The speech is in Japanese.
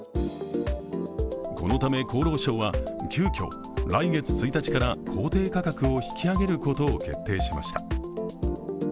このため厚労省は急きょ、来月１日から公定価格を引き上げることを決定しました。